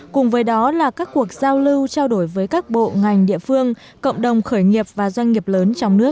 cùng với đó là các cuộc giao lưu trao đổi với các bộ ngành địa phương cộng đồng khởi nghiệp và doanh nghiệp lớn trong nước